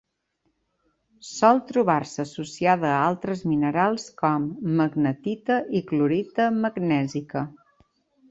Sol trobar-se associada a altres minerals com: magnetita i clorita magnèsica.